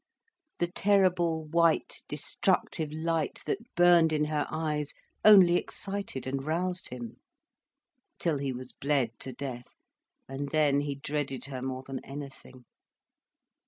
The terrible white, destructive light that burned in her eyes only excited and roused him. Till he was bled to death, and then he dreaded her more than anything.